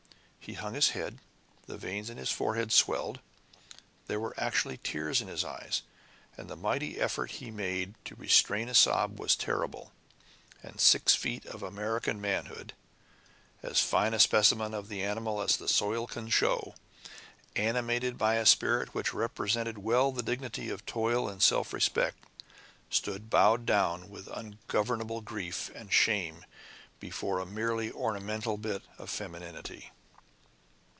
He hung his head the veins in his forehead swelled there were actually tears in his eyes and the mighty effort he made to restrain a sob was terrible and six feet of American manhood, as fine a specimen of the animal as the soil can show, animated by a spirit which represented well the dignity of toil and self respect, stood bowed down with ungovernable grief and shame before a merely ornamental bit of femininity.